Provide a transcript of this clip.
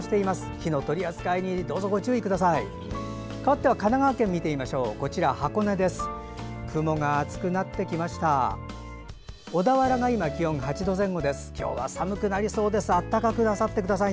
火の取り扱いにご注意ください。